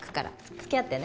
付き合ってね